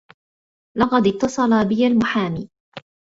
لقد اتّصل بي المحامي.